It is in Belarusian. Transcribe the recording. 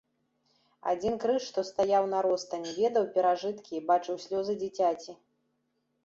Адзін крыж, што стаяў на ростані, ведаў перажыткі і бачыў слёзы дзіцяці.